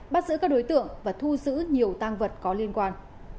bắt giữ các đối tượng và thu giữ nhiều tăng vật có liên quan